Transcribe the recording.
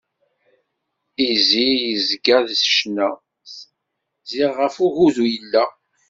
Izi izga s ccna, ziɣ ɣef ugudu i yella.